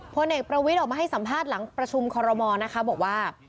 พลเอกประวิทย์ออกมาให้สัมภาษณ์หลังประชุมคอรมอลนะคะบอกว่า